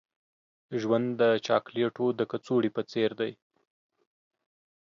ژوند د چاکلیټو د کڅوړې په څیر دی.